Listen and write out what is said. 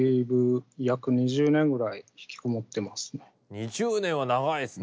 ２０年は長いですね。